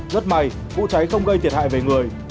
rất may vụ cháy không gây thiệt hại về người